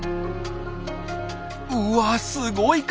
うわすごい数！